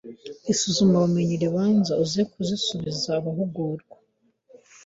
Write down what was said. isuzumabumenyi ribanza uze kuzisubiza abahugurwa